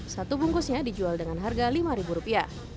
satu bungkusnya dijual dengan harga lima rupiah